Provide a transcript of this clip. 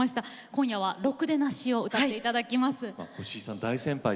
今夜は「ろくでなし」を歌っていただきます。